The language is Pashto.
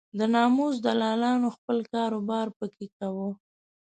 د ناموس دلالانو خپل کار و بار په کې کاوه.